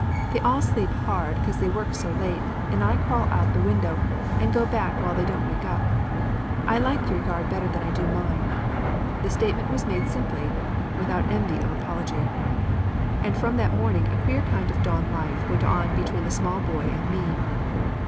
"They all sleep hard 'cause they work so late and I crawl out the window and go back while they don't wake up. I like your yard better than I do mine." The statement was made simply, without envy of apology. And from that morning a queer kind of dawn life went on between the small boy and me.